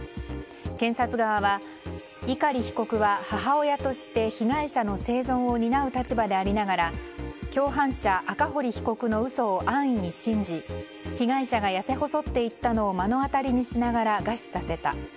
検察側は碇被告は母親として被害者の生存を担う立場でありながら共犯者赤堀被告の嘘を安易に信じ被害者が痩せ細っていったのを目の当たりにしながら餓死させた。